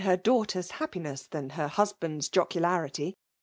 licr daughter s liapptness than her husband s jocularity.